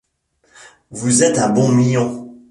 Vous êtes un bon mion.